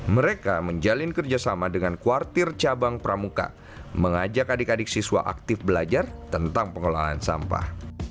mereka menjalin kerjasama dengan kuartir cabang pramuka mengajak adik adik siswa aktif belajar tentang pengolahan sampah